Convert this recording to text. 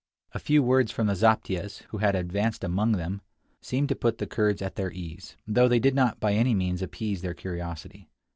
A few words from the zaptiehs, who had advanced among them, seemed to put the Kurds at their ease, though they did not by any means appease their curiosity.